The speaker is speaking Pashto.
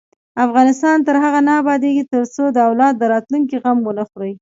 افغانستان تر هغو نه ابادیږي، ترڅو د اولاد د راتلونکي غم ونه خورئ.